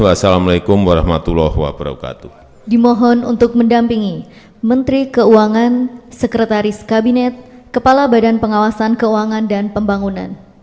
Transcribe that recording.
wassalamu alaikum warahmatullahi wabarakatuh